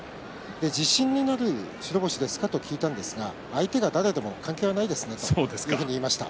自信になる白星でした？と聞いたんですが相手が誰でも関係ありませんというふうに言いました。